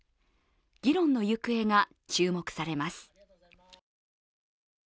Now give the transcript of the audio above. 議論の行方が注目されます。